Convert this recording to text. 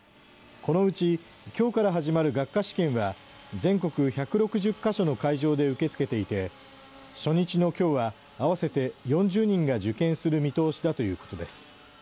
このうち、きょうから始まる学科試験は、全国１６０か所の会場で受け付けていて、初日のきょうは、合わせて４０人が受験する見通しだということです。